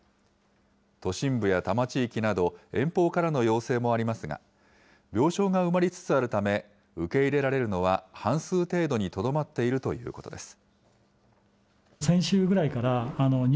都心部や多摩地域など、遠方からの要請もありますが、病床が埋まりつつあるため、受け入れられるのは半数程度にとどまっているということです。